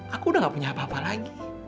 aku udah gak punya apa apa lagi